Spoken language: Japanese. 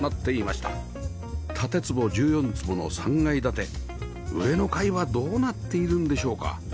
建坪１４坪の３階建て上の階はどうなっているんでしょうか？